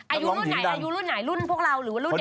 อายุรุ่นไหนอายุรุ่นไหนรุ่นพวกเราหรือว่ารุ่นเด็ก